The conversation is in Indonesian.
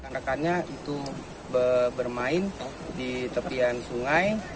rekannya itu bermain di tepian sungai